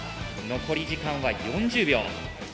残り時間は４０秒。